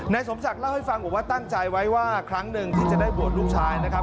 สมศักดิ์เล่าให้ฟังบอกว่าตั้งใจไว้ว่าครั้งหนึ่งที่จะได้บวชลูกชายนะครับ